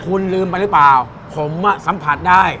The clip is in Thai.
คุณลืมไปหรือเปล่าผมสัมผัสได้